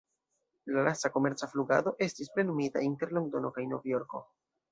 La lasta komerca flugado estis plenumita inter Londono kaj Nov-Jorko.